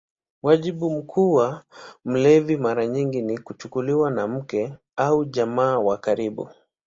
Wajibu mkuu wa mlezi mara nyingi kuchukuliwa na mke au jamaa wa karibu.